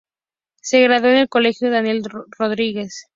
Se graduó en el colegio "Daniel Rodríguez".